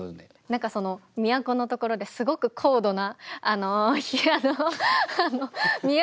何かその「都」のところですごく高度な。